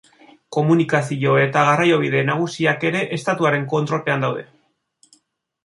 Komunikazio eta garraiobide nagusiak ere estatuaren kontrolpean daude.